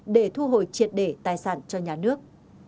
để thu hồi triệt để tài sản cho nhà nước